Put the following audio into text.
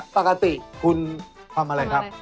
ปกติคุณทำอะไรครับ